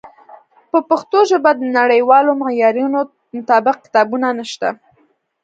په پښتو ژبه د نړیوالو معیارونو مطابق کتابونه نشته.